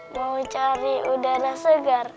mau cari udara segar